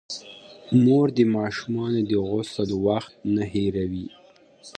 مور د ماشومانو د غسل وخت نه هېروي.